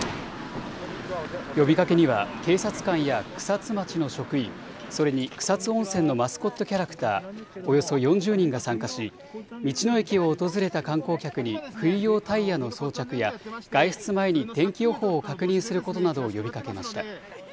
呼びかけには、警察官や草津町の職員、それに草津温泉のマスコットキャラクター、およそ４０人が参加し、道の駅を訪れた観光客に冬用タイヤの装着や、外出前に天気予報を確認することなどを呼びかけました。